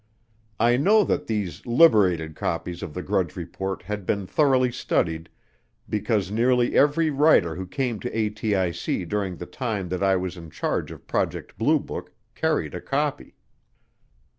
I know that these "liberated" copies of the Grudge Report had been thoroughly studied because nearly every writer who came to ATIC during the time that I was in charge of Project Blue Book carried a copy.